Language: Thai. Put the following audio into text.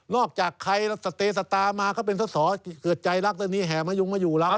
นอกจากใครสะเต๋สะตามาเขาเป็นทศเกิดใจรักตัวนี้แห่มมายุงมาอยู่รัก